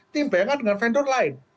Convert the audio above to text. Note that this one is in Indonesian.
tim ba dengan vendor lain